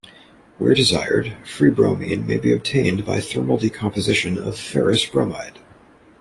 Where desired, free bromine may be obtained by thermal decomposition of ferrous bromide.